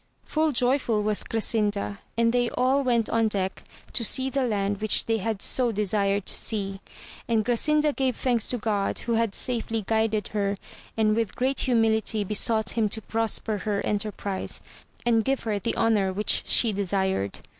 Full joyful was Grasinda, and they all went on deck to see the land which they had so de sired to see, and Grasiuda gave thanks to God who had safely guided her, and with great humility be sought him to prosper her enterprize and give her the honour which she desired.